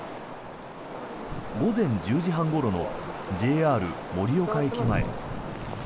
午前１０時半ごろのＪＲ盛岡駅前。